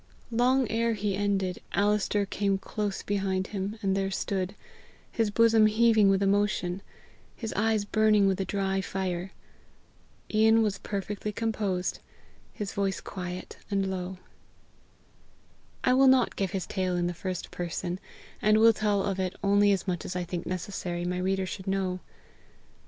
Long ere he ended, Alister came close behind him, and there stood, his bosom heaving with emotion, his eyes burning with a dry fire. Ian was perfectly composed, his voice quiet and low. I will not give his tale in the first person; and will tell of it only as much as I think it necessary my reader should know.